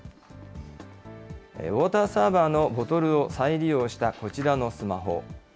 ウォーターサーバーのボトルを再利用したこちらのスマホ。